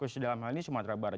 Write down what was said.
dalam hal ini sumatera barat